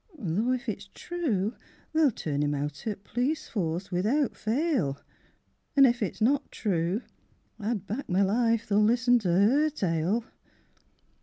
Though if it's true they'll turn him out O' th' p'lice force, without fail; An' if it's not true, I'd back my life They'll listen to her tale.